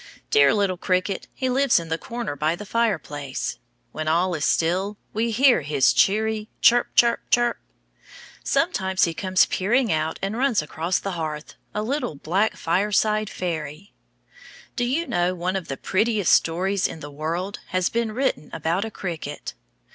Dear little cricket; he lives in the corner by the fireplace. When all is still we hear his cheery chirp! chirp! chirp! Sometimes he comes peering out and runs across the hearth, a little black fireside fairy. Do you know one of the prettiest stories in the world has been written about a cricket?